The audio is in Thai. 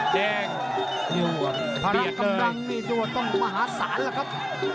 แดงเบียดเลยพระราชกำลังมีตัวต้องมหาศาลนะครับ